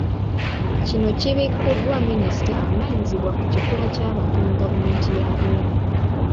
Kino kibikkuddwa Minisita avunaanyizibwa ku kikula ky'abantu mu Gavumenti ya Beene.